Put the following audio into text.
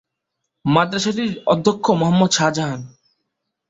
মাদ্রাসাটির অধ্যক্ষ মোহাম্মদ শাহজাহান।